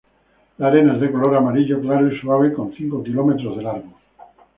La arena es de color amarillo claro y suave, con cinco kilómetros de largo.